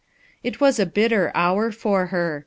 It was a bitter hour for her.